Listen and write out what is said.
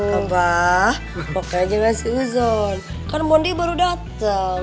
abah pokoknya enggak sih uzon kan bondi baru datang